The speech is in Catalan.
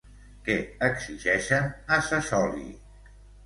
Què exigeixen a Sassoli?